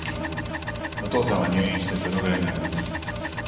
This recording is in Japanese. お父さんは入院してどのぐらいになる？